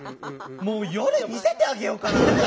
もう夜見せてあげようかなと。